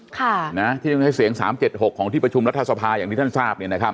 ที่ต้องใช้เสียง๓๗๖ของที่ประชุมรัฐสภาอย่างที่ท่านทราบเนี่ยนะครับ